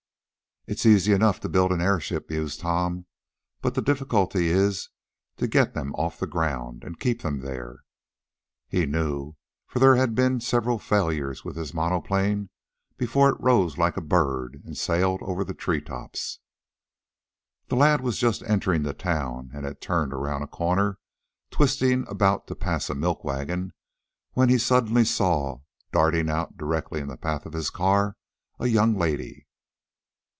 "It's easy enough to build an airship," mused Tom, "but the difficulty is to get them off the ground, and keep them there." He knew, for there had been several failures with his monoplane before it rose like a bird and sailed over the tree tops. The lad was just entering the town, and had turned around a corner, twisting about to pass a milk wagon, when he suddenly saw, darting out directly in the path of his car, a young lady.